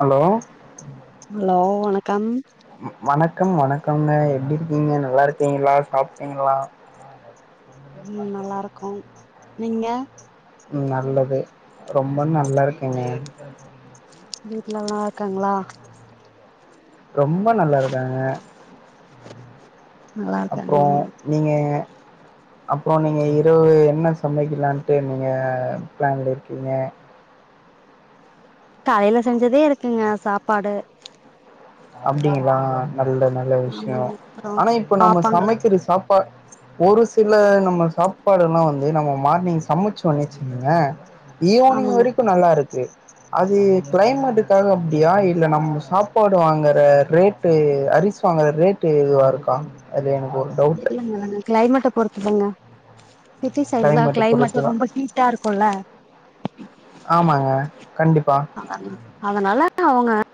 Hello hello வணக்கம் ம் வணக்கம் வணக்கங்க. எப்டி இருக்கீங்க? நல்லா இருக்கீங்களா சாப்ட்டீங்களா? ம் நல்லா இருக்கோ. நீங்க? நல்லது ரொம்ப நல்லா இருக்கேங்க. வீட்ல நல்லா இருக்காங்களா? ரொம்ப நல்லா இருக்காங்க. நல்லா அப்றோ இருக்காங்க நீங்க அப்றோ நீங்க இரவு என்ன சமைக்கலான்ட்டு நீங்க பிளான்ல இருக்கீங்க? காலைல செஞ்சதே இருக்குங்க சாப்பாடு. அப்டிங்களா? நல்ல நல்ல விஷயோ. ஆமாங்க அப்புறோ ஆனா இப்ப நம்ம பாப்பாங்களுக்கு சமைக்கிற சாப்பா ஒரு சில நம்ம சாப்பாடு எல்லா வந்து நம்ம மார்னிங் சமைச்சோன்னு வச்சிக்ங்ளே ஈவனிங் ஆமாங்க வரைக்கு நல்லா இருக்கு. அது கிளைமேட்டுக்காக அப்டியா இல்ல நம்ம சாப்பா ட்டு வாங்கற ரேட்டு அரிசி வாங்கற ரேட்டு இதுவா இருக்கா அதுல எனக் தெர்லைங்க ஆனா கிளைமேட்ட பொறுத்துதாங்க. சிட்டி சைட்லா கிளைமேட் கிளைமேட்டு பொறுத்துதா ரொம்ப ஹீட்டா இருக்குல்ல ஆமாங்க கண்டிப்பா அதனால அவுங்க [inaudible]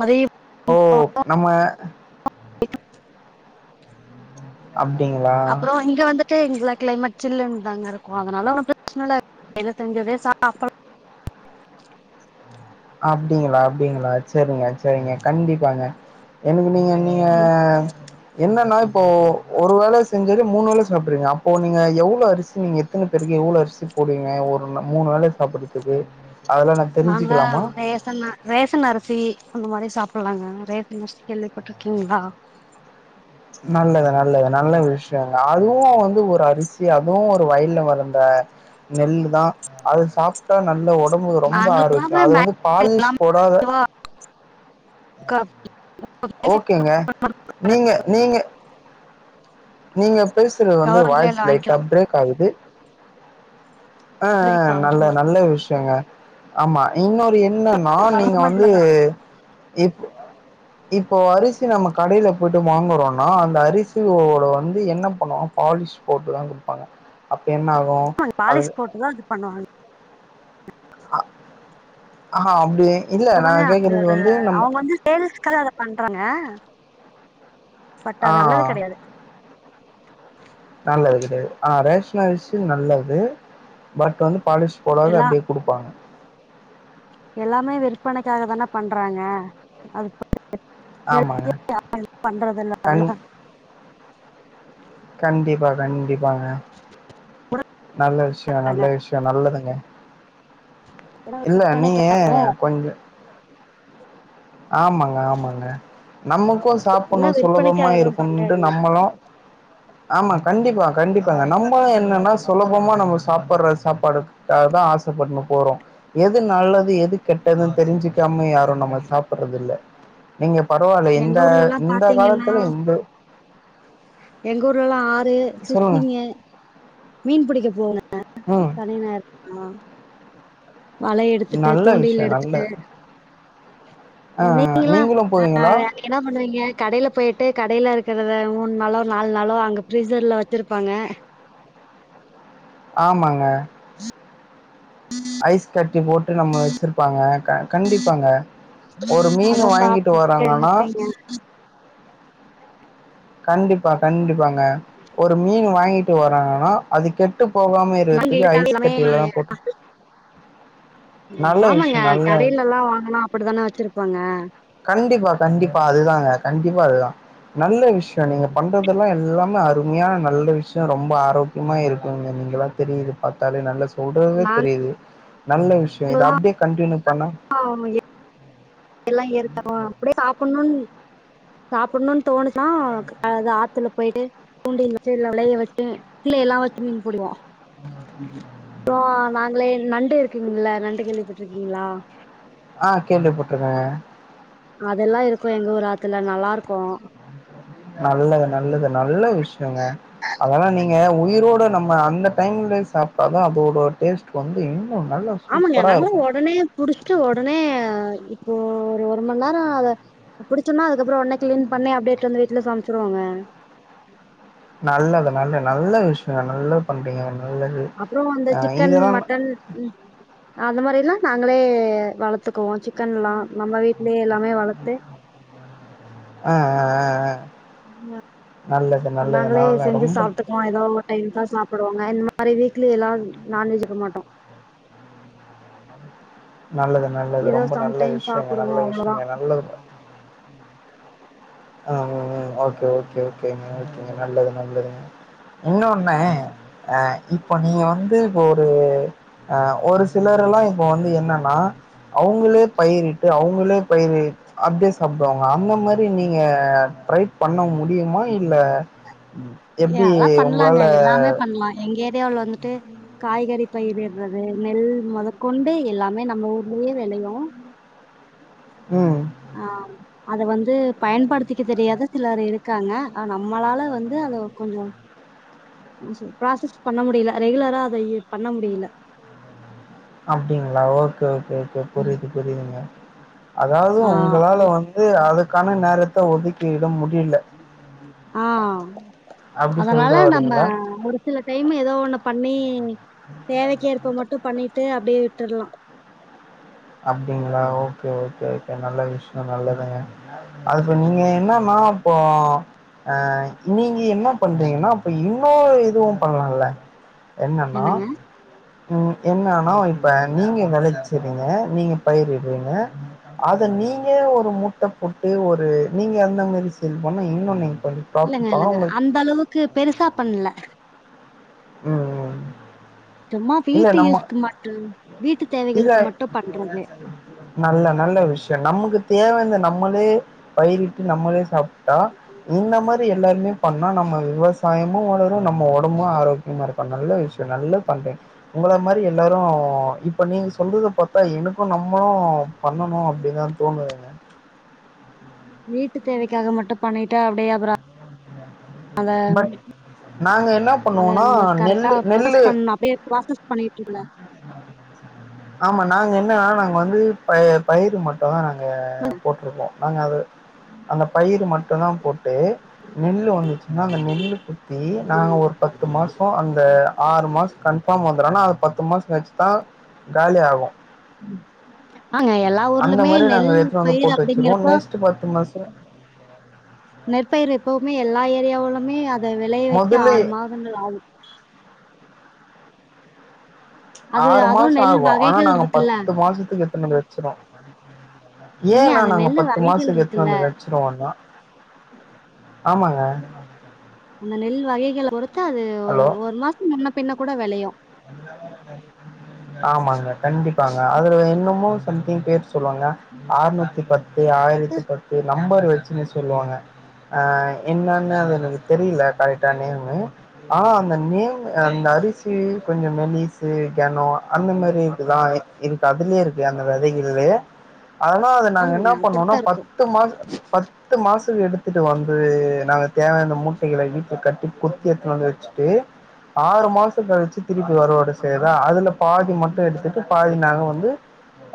மதிய ஓ நம அப்டிங்களா இங்கலாம் கிளைமேட் சில்லுன்னு தாங்க இருக்கும் அதனால ஒன்னும் பிரச்சனை இல்ல ஏதோ செஞ்சத சாப்ப அப்டிங்களா அப்டிங்களா சரிங்க சரிங்க கண்டிப்பாங்க எனக்கு நீங்க நீங்க என்னன்னா இப்போ ஒரு வேல செஞ்சது மூணு வேல சாப்டுறீங்க அப்போ நீங்க எவ்ளோ அரிசி நீங்க எத்தன பேருக்கு எவ்ளோ அரிசி போடுவீங்க ஒரு மூணு வேல சாப்பிடுறதுக்கு அதெல்லாம் நா நாங்களா தெரிஞ்சுக்கலாமா ரேசன் ரேசன் அரிசி அந்த மாதிரி சாப்பிடலாங்க ரேசன் அரிசி கேள்விப்பட்ருக்கீங்களா நல்லது நல்லது நல்ல விஷயங்க அதுவும் வந்து ஒரு அரிசி அதுவும் ஒரு வயல்ல வளந்த நெல்லு தா அத சாப்பிட்டா நல்ல உட உடம்புக்கு ரொம்ப நாங்க ஆரோக்கிய எல்லாமே அது வந்து பாலிஸ் போடாத மேக்சிமம் க மேக்ஸி ஓகேங்க நீங்க நீங்க நீங்க பேசுறது வந்து கவர்மெண்ட்ல வாய்ஸ் லைட்டா வாங்கிக்கலாம் பிரேக் ஆகுது பிரேக் அஹ் நல்ல ஆகுதுன்னா நல்ல விஷயங்க ஆமா இன்னொரு என் என்னன்னா நீங்க கவர்மெண்ட்ல வந்து தான் இப் இப்போ அரிசி நம்ம கடையில போட்டு வாங்குறோனா அந்த அரிசியோட வந்து என்ன பண்ணுவாங்க பாலிஷ் போட்டுதா குடுப்பாங்க என்ன ஆகும் அது பண்ணுவாங் ஆஹ் ஆஹ் அப்டியே அப்பதாங்க அதோட அவுங்க வந்து சேல்ஸ்கு தா அத பண்றாங்க பட் அது நல்லது ஆஹ் கெடையாது நல்லது கிடையது ஆஹ் ரேஷன் அரிசி நல்லது பட் வந்து பாலிஷ் போடாது எல்லா அப்டியே குடுப்பாங்க எல்லாமே விற்பனைக்காக தானே பண்றாங்க அது சேல் ஆமாங்க பண்றது இல்ல கண் கண்டிப்பா கண்டிப்பா ப்பாங்க நல்ல விஷய நல்ல விஷய நல்லது யா ஏன்னா இல்ல விற்பனைக்கா நீங்க கொஞ்ச ஆமாங்க ஆமாங்க நமக்கும் எல்லா சாப்பிடணும் சுலபமா விற்பனைக்காக தான் இருக்கும்ட்டு பண்றாங்க நம்மளும் ஆமா கண்டிப்பா கண்டிப்பாங்க நம் மா என்னன்னா சுலபமா நம்ம சாப்படற சாப்பாடுக்காக தான் ஆசை பட்டுக்குனு போறோம் எது நல்லது எது கெட்டதுன்னு தெரிஞ்சுக்காம யாரும் நம்ம சா ப்பறதல்ல நீங்க பரவாயில்ல எங்க இந்த ஊர்ல எல்லா இந்த பாத்தீங்கன்னா காலத்துல இந்த எங்க ஊர்ல எல்லாம் ஆர் சொல்லுங்க [unintelligible] மீன் பிடிக்க போங்க ம் [inaudible] சனி ஞாயிறு பா வல எடுத்துட்டு நல்ல தூண்டில் விஷயோ நல்ல எடுத்துட்டு ஆ நீங்களா நீங்களு நான் போவீங்களா நீங்களா என்ன பண்ணுவீங்க கடையில போயி போய் கடையல இருக்கறத மூணு நாளோ நாலு நாளோ அங்க பிரீஸர்ல வச்சிருப்பாங்க ஆமாங்க ஐஸ் கட்டி போட்டு நம்ம வச்சிருப்பாங்க கண்டிப்பாங்க ஒரு மீன் அத வாங்கிட்டு சாப்புட்டு வராங்கன்னா முட்டை போ கண்டிப்பா கண்டிப்பாங்க ஒரு மீன் வாங்கி போறாங்கன்னா அது கெட் டு விட்டு போகாம நாங்க இருக்கிறதுக்கு இருக்காது ஐஸ் எல்லாமே கட்டில்லா போட்டு நல்ல விஷயோ ஆமாங்க நல்ல கடையில விஷயம். ல்லா வாங்குனா அப்படித்தானே வச்சிருப்பாங்க ஆஹ் கண்டிப்பா கண்டிப்பா அதுதாங்க கண்டிப்பா அதுதான் நல்ல விஷ் நீங்க பண்றதெல்லா எல்லாமே அர் உண்மையான நல்ல விஷய ரொம்ப ஆரோக்கியமா இருக்குங்க நீங்க தெரியது பாத்தாலே நல்ல தொடுறதுதே தெரியுது நல்ல விஷயம் இது அப்படியே கண்டியூ ஆமயே எல்லாம் ஏற்கனும் அப்டியே சாப் [unintelligible] சாப்பிடணும்னு தோணுசுனா அது ஆத்துல போயிட்டு தூண்டில் வச்சு இல்ல வளைய வச்சு பிள்ளை எல்லாம் வச்சு மீன் போடுவோம் [inaudible] நாங்களே நண்டு இருக்குங்களல்ல நண்டு கேள்விப்பட்டு இருக்கீங்களா ஆஹ் கேள்விப்பட்டுறேன் அதெல்லா இருக்கு எங்க ஊர் ஆத்துல நல்லா இருக்கோம் நல்லது நல்லது நல்ல விஷ [unintelligible] அதெல்லாம் நீ ங்க உயிரோட நம்ம அந்த டைம்லயே சாப்ட்டாதான் அதோட டேஸ்ட் வந்து நல்லா ஆமாங்க சூப்பரா நாங்களும் இருக்கு உடனே புடிச்சிட்டு உடனே இப்போ ஒரு மணி நேரம் அத புடிச்சோனா அதுக்கப்புறம் உன்னே கிளீன் பண்ணி அப்டேட் வந்து வீட்டுல சமைச்சிருவோங்க நல்லது நல்லது நல்ல விஷ் நல்லா பண்றீங்க நல்லது அப்புறம் அந்த ஆ சிக்கன் இதெல்லா மட்டன் அந்த மாரில்லாம் நாங்களே வளர்த்துக்குவோம் சிக்கன்ல்லாம் நம்ம வீடலேயே எல்லாமே வளத்து ஆ ஆ ஆ ஆ நல்லது நல்லது நாங்களே நல்ல செஞ்சு ரொம்ப சாப்பிட்டுக்குவோம் ஏதோ ஒரு டைம் தான் சாப்பிடுவாங்க இந்த மா நிறைய வீக்லி எல்லாம் நான்வெஜ் எடுக்க மாட்டோம் நல்லது நல்லது ஏதோ ரொம்ப நல்ல சம்டைம் விஷயங்க நல்ல சாப்பிடுவோம் அவ்வளோதான். விஷயங்க நல்லது ஆ ஓகே ஓகே ஓகேகேங்க நல்லது நல்லதுங்க இன்னொன்னு இப்போ நீங்க வந்து ஒரு அஹ ஒரு சிலர் எல்லாம் இப்ப வந்து என்னன்னா அவங்களே பயிரிட்டு அவங்களே பயிரி அப்படியே சாப்பிடுவாங்க அந்த மாரி நீ நீங்க ட்ரை பண்ண முடியுமா இல்ல எப்டி இல்லாம் பண்ணலாங்க உங்களால எல்லாமே பண்ணலாம் எங்க இந்தியாவுல வந்துட்டு காய்கறி பயிர்டறது நெல் முதக்கொண்டு எல்லாமே நம்ம ஊர்லயே விளையும் ம் ஆ அதை வந்து பயன்படுத்திக்க தெரியாத சிலர் இருக்காங்க நம்மளால வந்து அத கொஞ்சம் ப்ராசஸ் பண்ண முடியல ரெகுலரா அத பண்ண முடியல அப்படிங்களா ஓகே ஓகே இப்போ புரிது புரியுதுங்க அதாவது ஆ உங்களால வந்து அது கான நேரத்த ஒதுக்கிட முடியல ஆ அப்டி அதனால சொல்ற நம்ம வரீங்களா ஒரு சில டைம் ஏதோ ஒண்ணு பண்ணி தேவைக்கேற்ப மட்டும் பண்ணி டே அப்படியே விட்டுலாம் அப்படிங்களா ஓகே ஓகே நல்ல விஷயம் நல்லதுங்க அதுப்ப நீங்க என்னன்னா இப்போ ஆ நீங்க என்ன பண்றீங்கன்னா இப்ப இன்னொரு இதுவும் பண்ணலான்ல என்னென்னா என்னங்க? ம் என்னனா இப்ப நீங்க விலச்சறிங்க நீங்கள் பயிரிடுவீங்க அதை நீங்கள் ஒரு மூட்டை போட்டு ஒரு நீங்கள் அந்த மாரி சேல் பண்ணால் இன்னும் நீங்க கொஞ்சம் இல்லங்க ப்ராஃபிட் பண்ணலாம். இல்லங்க உங்களுக்கு அந்த அளவுக்கு பெருசா பண்ணல ம் ம் சும்மா இல்ல வீட்டு நம்ம யூஸ்க்கு மட்டும் வீட்டு இல்ல தேவைகளுக்கு மட்டும் பண்றது. நல்ல நல்ல விஷயம் நமக்கு தேவை இந்த நம்மளே பயிரிட்டு நம்மளே சாப்பிட்டா இந்த மாரி எல்லாருமே பண்ணா நம்ம விவசாயமு வளரும் நம்ம ஒடம்பும் ஆரோக்கியமா இருக்கும் நல்ல விஷயம் நல்ல பண்றிங்க உங்கள மாரி எல்லாரும் இப்ப நீ ஸ் சொல்றது பாத்தா எனக்கும் நம் நம்பளும் பண்ணணும் அப்படின்னுதான் தோணு ஏங்க வீட்டு தேவைக்காக மட்டும் பண்ணிட்டா அப்டியே அப்ற அத பட் நாங்க என்ன அத பண்ணுவோனா நம்ம கரெக்டா நெல்லு ப்ராசஸ் நெல்லு பண்ணணும் அப்டியே ப்ராசஸ் பண்ணிட்டல்ல ஆமா நாங்க என்னன்னா நாங்க வந்து ப பயிர் மட்டம் ங்க போட்ருக்கோம் நாங்க அத அந்த பயிர்மட்டும் தான் போட்டு நெல் வந்துச்சின்னா நெல் குத்தி நாங்க ஒரு பத்து மாசம் ஆறு மாசம் கன்ஃபார்ம் ஆனா அது பத்து மாசம் கழிச்சுதான் காலி ஆகும் ஆங்க எல்லா அந்த ஊர்லுமே மாரி நாங்க எடுத்துனு வந்து நெல்பயிர் போட்டு வச்சிருவோ அப்படிங்கறப்போ நெக்ஸ்ட் பத்து மாசோ நெற்பயிர் எப்போவுமே எல்லா ஏரியாவுலுமே இந்த வெளய வைக்க மொதல்ல ஆறு மாதங்கள் ஆவும் அது ஆறு அதுவும் மாசம் நெல் ஆவு ஆனா வகைகள் நாங்க இருக்குல்ல. பத்து மாசத்துக்கு எத்தனு வந்து வச்சிருவோம் ஏங்க ஏன்னா அந்த நாங்க நெல்லு பத்து வகைகள் மாசத்துக்கு இருக்குல்ல. எடுத்துனு வச்சிருவோனா ஆமாங்க அந்த நெல் வகைகளை பொறுத்து அது ஹலோ ஒரு மாசம் முன்ன பின்ன கூட வெளையும் [unintelligible] ஆமாங்க கண்டிப்பாங்க அதுல என்னமோ சம்திங் பேர் சொல்லுவாங்க ஆர்நூத்தி பத் ஆயிரத்தி பத்து நம்பர் வச்சுன்னு சொல்லுவாங்க ஆஹ் என்னன்னு அது எனக்கு தெரியல கரெக்டா நேமு ஆனா அந்த நேம் அந்த அரிசி கொஞ்சம் மெலிசு கெனம் அந்த மாரி இருக்குதான் இருக்கு அதுலே இருக்கு அந்த வெதைகள்ளயே அதனாம் அது நாங்க ஆமாங்க என்ன பண்ணோம்னா அப்படித்தான் இருக்கும். பத்து மாசம் பத் பத்து மாசம் எடுத்துட்டு வந்து நாங்க தேவையான மூட்டைகளை வீட்ல கட்டி குத்தி எத்துனு வந்து வச்சுட்டு ஆறு மாசம் கழிச்சு திருப்பி வருவாடு செய்தா அதுல்ல பாதி மட்டும் எடுத்துட்டு பாதி நாங்க வந்து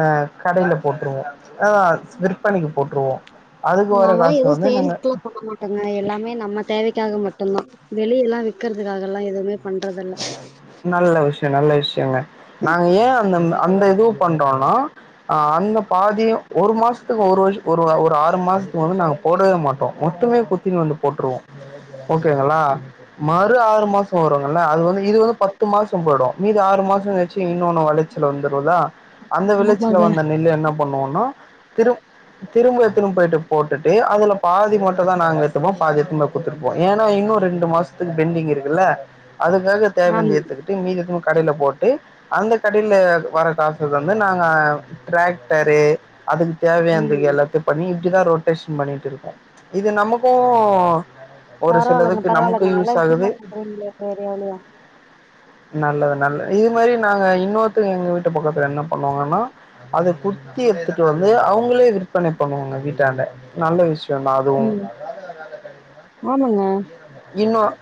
அஹ் கடையில போட்டுருவோம் ஆஹ் விற்பனைக்கு போட்டுருவோம் அதுக்கு வர நாங்கலாம் காசு எதுவும் வந்து நாங்க சேல்ஸ்க்குலாம் போட மட்டும்தான் வெளிய எல்லாம் விக்கறதுக்காகல்லாம் எதுவுமே பண்றதில்ல. நல்ல விஷயம் நல்ல விஷயங்க நாங்க ஏன் அந்த அந்த இதுவும் பண்றோம்னா அந்த பாதிய ஒரு மாசம் ஒரு வருஷ ஒரு ஒரு ஆறு மாசத்துக்கு வந்து நாங்க போடவே மாட்டோம் மொத்தமே புத்தினு வந்து போட்டுருவோம் ஓகேங்களா மறு ஆறு மாசம் வரும் அது வந்து இது வந்து பத்து மாசம் போயிடும் மீதி ஆறு மாசம்கழிச்சு இன்னொன்னு வெளச்சல வந்துருல அந்த விளச்சல்ல ஆமாங்க. வந்த நெல் என்ன பண்ணுவோனா திருப் திரும்ப எடுத்துணு போய்ட்டு போட் விட்டுட்டு அதுல பாதி மட்டும் தான் நாங்க எடுத்துப்போம் பாதி எடுதின்னு போய் குடுத்துப்போம் ஏன்னா இன்னும் ரெண்டு மாசத்துக்கு பெண்டிங் இருக்குல்ல அதுக்காக தேவை ஆமா. ஏத்துக்கிட்டு மித கடையில போட்டு அந்த கடையில வர கா சுக்கு வந்து நாங்க டிராக்டரு அதுக்கு தேவையானந்துக்கு ம். எல்லாத்தையும் பண்ணி இப்டிதான் ரொட்டேஷன் பண்ணிட்டு இருக்கோம் இது நமக்கும் பரவாயில்லைங்க பரவாயில்லங்க நல்லா விஷயமா ஆகுது பண்றீங்களே வேற அவ்ளோ தான் நல்லது நல்லது இது மாரி நாங்க இன்னொருத்துங்க எங்க வீட்டு பக்கத்துல என்ன பண்ணுவாங்கன்னா அதை குத்தி எடுத்துட்டு வந்து அவு உங்களே விற்பனை பண்ணுவாங்க வீட்டாண்ட நல்ல விஷ் உம் ஆமாங்க இன்னும்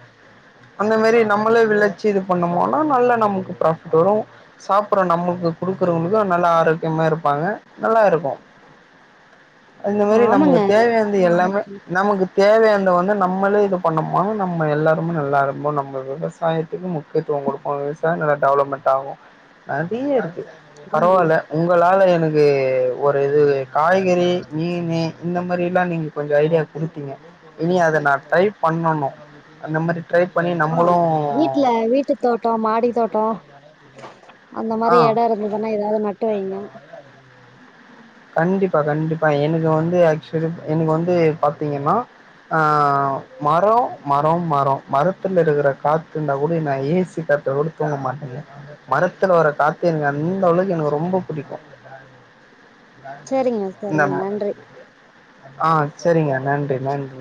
அந்த மாரி நம்மளு விளைச்சி இது பண்ணோம்னா நல்லா நமக்கு ப்ராபிட் வரும் சாப்பிடற நமக்கு குடுக்குறவளுக்கு நல்லா ஆரோக்கியமா இருப்பாங்க நல்லா இருக்கும் அந்த மாதிரி நமக்கு தேவையானத எல்லாமே நமக்கு தேவையான வந்து நம்மளே இது பண்ணுனோம்னா நம்ம எல்லாருமே நல்லா இருப் நம்ம விவசாயத்துக்கு முக் முக்கியத்துவம் கொடுப்பாங்க [unintelligible] டெவலப்மென்ட் அதே எடுத்து ஆமா. பரவாயில்ல உங்களால எ எனக்கு ஒரு இது காய்கறி மீன் இந்த மாரி எல்லாம் நீங்க கொஞ்சோ ஐடியா குடுத்தீங்க இனி அதை நா ட்ரை பண்ணனும் அந்த மாரி ட்ரை பண்ணி ஆஹ நம்மளு வீட்ல வீட்டு தோட்டம் மாடி தோட்டம் அந்த ஆ மாதிரி இடம் இருந்துனா ஏதாவது நட்டு வைங்க கண்டிப்பா கண்டிப்பா எனக்கு வந்து ஆக்சுவலி எனக்கு வந்து பாத்தீங்கன்னா அஹ மரம் மரம் மரம் மரத்துல இருக்குற காத்து இருந்துன்னா கூட ஏசி காற்றுல கூட தூங்க மாட்டேங்க த்துல வர காத்து எனக்கு அந்த அளவுக்கு எனக்கு ரொம்ப பிடிக்கும் சரிங்க, சரிங்க. நம்ம நன்றி. ஆஹ் சரிங்க நன்றி நன்றி